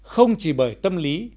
không chỉ bởi tâm lý